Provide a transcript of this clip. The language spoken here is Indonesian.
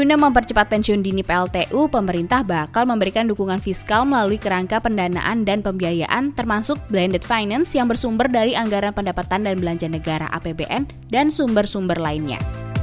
guna mempercepat pensiun dini pltu pemerintah bakal memberikan dukungan fiskal melalui kerangka pendanaan dan pembiayaan termasuk blended finance yang bersumber dari anggaran pendapatan dan belanja negara apbn dan sumber sumber lainnya